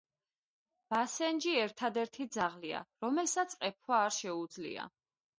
ბასენჯი ერთადერთი ძაღლია, რომელსაც ყეფვა არ შეუძლია